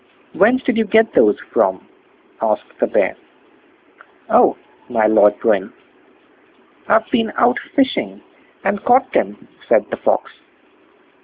"Whence did you get those from?" asked the Bear. "Oh! my Lord Bruin, I've been out fishing and caught them", said the Fox.